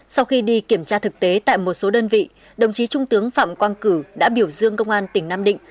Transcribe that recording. sau khi đi kiểm tra thực tế tại một số đơn vị đồng chí trung tướng phạm quang cử đã biểu dương công an tỉnh nam định